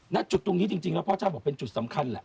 ณจุดตรงนี้จริงแล้วพ่อเจ้าบอกเป็นจุดสำคัญแหละ